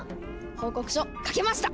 報告書書けました！